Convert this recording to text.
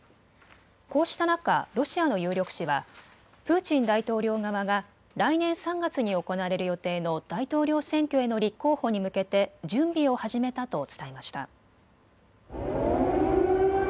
こうした中、ロシアの有力紙はプーチン大統領側が来年３月に行われる予定の大統領選挙への立候補に向けて準備を始めたと伝えました。